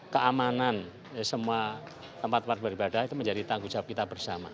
keamanan semua tempat tempat beribadah itu menjadi tanggung jawab kita bersama